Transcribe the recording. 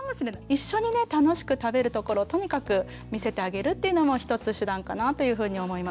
一緒にね楽しく食べるところをとにかく見せてあげるというのも一つ手段かなというふうに思います。